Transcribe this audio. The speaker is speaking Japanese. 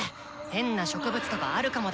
変な植物とかあるかもだし！